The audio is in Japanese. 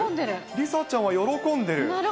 梨紗ちゃんは喜んでる。